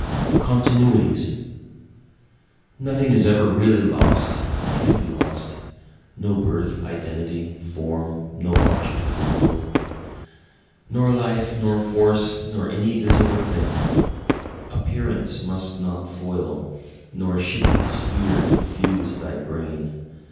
Continuities Nothing is ever really lost, or can be lost, No birth, identity, form no object of the world. Nor life, nor force, nor any visible thing; Appearance must not foil, nor shifted sphere confuse thy brain.